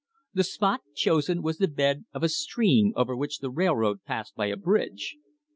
The spot chosen was the bed of a stream over which the railroad passed by a bridge.